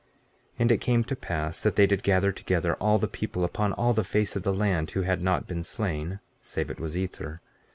15:12 And it came to pass that they did gather together all the people upon all the face of the land, who had not been slain, save it was Ether.